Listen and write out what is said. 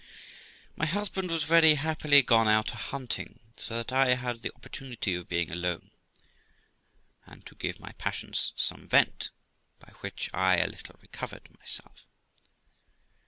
My husband was very happily gone out a hunting, so that I had the opportunity of being alone, and to give my passions some vent, by which I a little recovered myself.